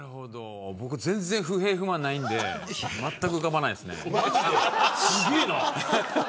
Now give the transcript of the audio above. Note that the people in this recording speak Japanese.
僕、全然不平不満ないのでまったく浮かばないですね。